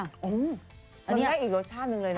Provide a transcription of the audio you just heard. มันได้อีกรสชาตินึงเลยนี่